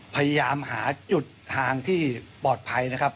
พยายามหาจุดทางที่ปลอดภัยนะครับ